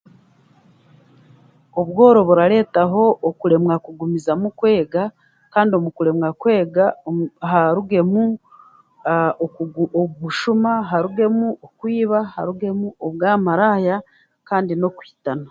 Obworo burareetaho okuremwa kugumizamu kwega, kandi omu kuremwa kwega, harugemu okugu obushuma, harugemu okwiba, harugemu obwamaraaya, kandi n'okwitana.